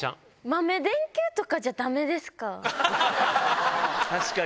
豆電球とかじゃだめですか？